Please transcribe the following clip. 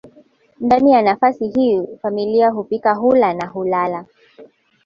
Ndani ya nafasi hii familia hupika hula na hulala